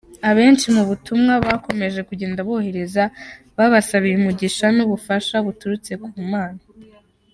Abenshi mu butumwa bakomeje kugenda bohereza babasabiye umugisha n’ubufasha buturutse ku Mana.